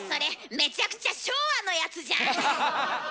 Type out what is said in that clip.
めちゃくちゃ昭和のやつじゃん。